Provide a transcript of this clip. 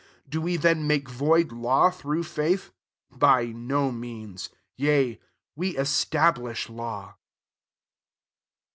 31 Do we then make void law through faith ? By no means : yea, we establish law.